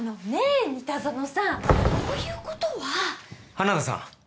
花田さん。